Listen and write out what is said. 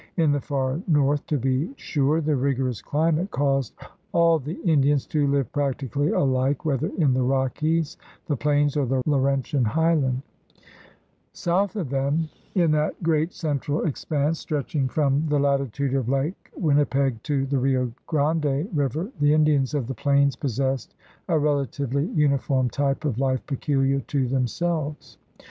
In the far north, to be sure, the rigorous climate caused all the Indians to live practically alike, whether in the Rockies, the plains, or the Laurentian highland. THE RED MAN IN AMERICA 151 South of them, in that great central expanse stretching from the latitude of Lake Winnipeg to the Rio Grande River, the Indians of the plains possessed a relatively uniform type of life peculiar to themselves.